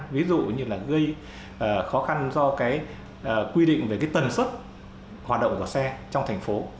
ví dụ như là gây khó khăn do cái quy định về cái tần suất hoạt động của xe trong thành phố